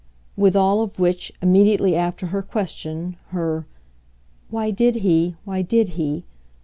With all of which, immediately after her question, her "Why did he, why did he?"